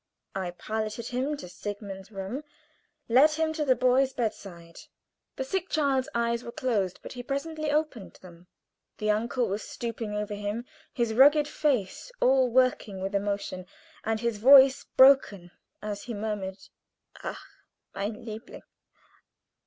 I piloted him to Sigmund's room; led him to the boy's bedside. The sick child's eyes were closed, but he presently opened them. The uncle was stooping over him, his rugged face all working with emotion, and his voice broken as he murmured: "_Ach, mein Liebling!